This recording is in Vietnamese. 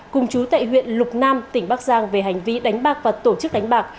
cùng chú tại huyện lục nam tỉnh bắc giang về hành vi đánh bạc và tổ chức đánh bạc